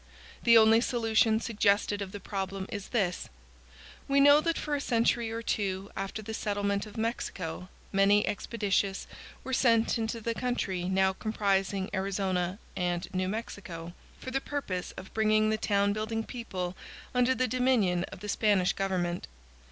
The only solution suggested of the problem is this: We know that for a century or two after the settlement of Mexico many expeditious were sent into the country now comprising Arizona and New Mexico, for the purpose of bringing the town building people under the dominion of the Spanish government.